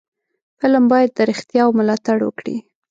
فلم باید د رښتیاو ملاتړ وکړي